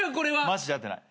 マジで会ってない。